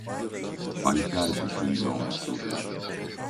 Παλικάρι που σου είναι όμως τούτος!